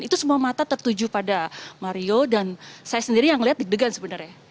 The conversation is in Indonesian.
itu semua mata tertuju pada mario dan saya sendiri yang melihat deg degan sebenarnya